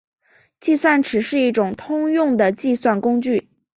计算尺是一种通用的计算工具。